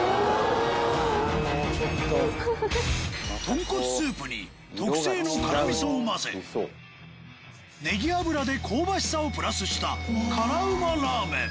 豚骨スープに特製の辛味噌を混ぜネギ油で香ばしさをプラスした辛ウマラーメン